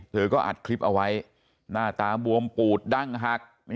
เธอก็อัดคลิปเอาไว้หน้าตาบวมปูดดั้งหัก